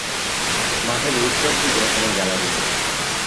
মাঠের উত্তর দিকে কোনো গ্যালারি নেই।